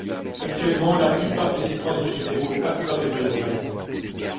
Habituellement la plupart des séquences ne se déroulent pas comme elles devraient.